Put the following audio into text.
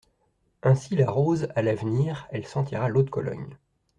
Ainsi la rose, à l’avenir, elle sentira l’eau de Cologne.